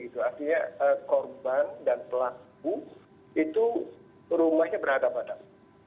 artinya korban dan pelaku itu rumahnya berada padat